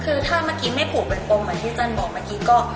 คือถ้าเมื่อกี้ไม่ผูกเป็นปมเหมือนที่จันบอกเมื่อกี้ก็